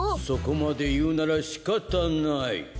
そこまでいうならしかたない。